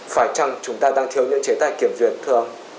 phải chăng chúng ta đang thiếu những chế tài kiểm duyệt thường